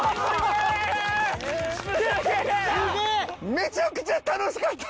めちゃくちゃ楽しかった！